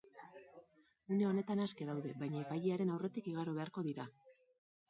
Une honetan aske daude, baina epailearen aurretik igaro beharko dira.